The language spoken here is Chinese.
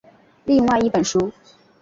另外一本书。